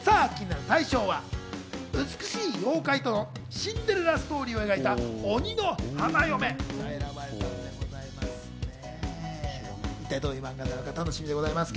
気になる大賞は美しい妖怪とのシンデレラストーリーを描いた『鬼の花嫁』が選ばれたんでございますね。